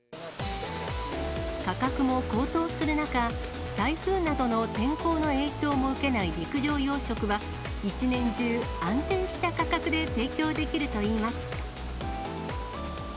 価格も高騰する中、台風などの天候の影響も受けない陸上養殖は、一年中、安定した価格で提供できるといいます。